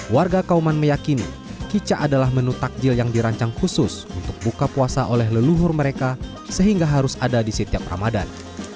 warga kauman meyakini kicak adalah menu takjil yang dirancang khusus untuk buka puasa oleh leluhur mereka sehingga harus ada di setiap ramadan